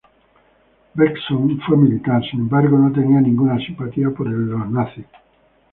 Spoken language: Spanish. Bengtsson fue militar, sin embargo, no tenía ninguna simpatía por el nazismo.